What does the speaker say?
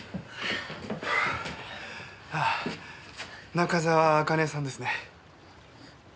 中沢茜さんですね？